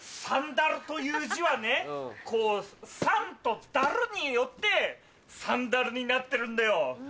サンダルという字はねこう「サン」と「ダル」によってサンダルになってるんだよ。